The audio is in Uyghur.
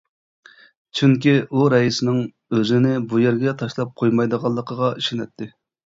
چۈنكى، ئۇ رەئىسنىڭ ئۆزىنى بۇ يەرگە تاشلاپ قويمايدىغانلىقىغا ئىشىنەتتى.